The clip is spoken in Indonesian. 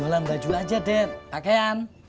jualan baju aja det pakaian